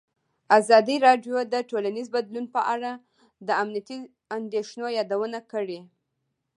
ازادي راډیو د ټولنیز بدلون په اړه د امنیتي اندېښنو یادونه کړې.